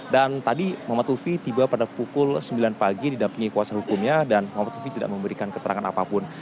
dan tadi muhammad lufi tiba pada pukul sembilan pagi tidak punya kuasa hukumnya dan muhammad lufi tidak memberikan keterangan apapun